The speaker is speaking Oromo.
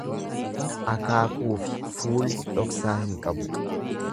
Akaakuufi fuulli dhoksaa hin qabu.